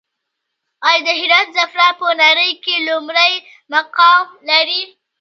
آیا د هرات زعفران په نړۍ کې لومړی مقام لري؟